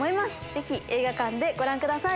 ぜひ映画館でご覧ください。